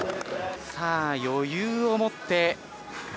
さあ余裕を持って。